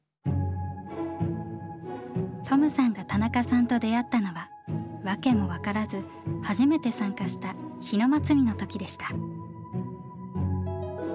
トムさんが田中さんと出会ったのは訳も分からず初めて参加した日野祭の時でした。